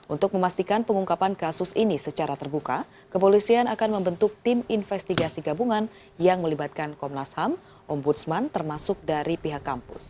untuk memastikan pengungkapan kasus ini secara terbuka kepolisian akan membentuk tim investigasi gabungan yang melibatkan komnas ham ombudsman termasuk dari pihak kampus